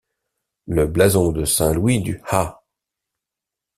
Le blason de Saint-Louis-du-Ha!